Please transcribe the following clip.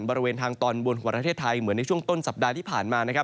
บริเวณทางตอนบนของประเทศไทยเหมือนในช่วงต้นสัปดาห์ที่ผ่านมานะครับ